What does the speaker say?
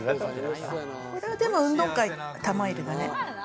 これは運動会、玉入れだね。